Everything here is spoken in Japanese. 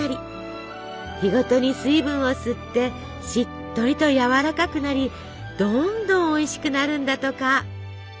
日ごとに水分を吸ってしっとりと軟らかくなりどんどんおいしくなるんだとか。